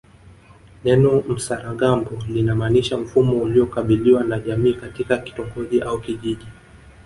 Neno msaragambo linamaanisha mfumo uliokubaliwa na jamii katika kitongoji au kijiji